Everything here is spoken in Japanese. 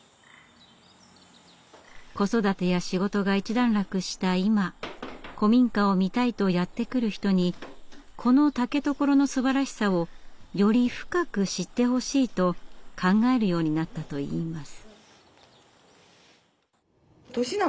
子育てや仕事が一段落した今古民家を見たいとやって来る人にこの竹所のすばらしさをより深く知ってほしいと考えるようになったといいます。